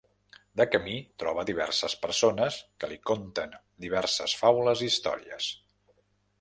De camí, troba diverses persones que li conten diverses faules i històries.